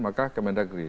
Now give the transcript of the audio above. maka kementerian negeri